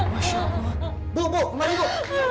masya allah bu kembali